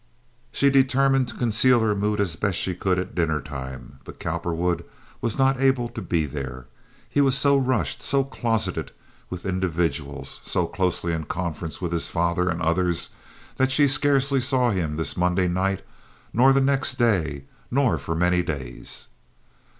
She determined to conceal her mood as best she could at dinner time—but Cowperwood was not able to be there. He was so rushed, so closeted with individuals, so closely in conference with his father and others, that she scarcely saw him this Monday night, nor the next day, nor for many days.